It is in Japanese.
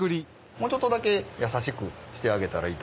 もうちょっとだけ優しくしてあげたらいいと思います。